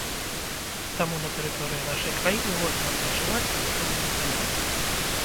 Таму на тэрыторыі нашай краіны можна адпачываць і нічога не баяцца.